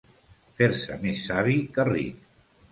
Fer-se més savi que ric.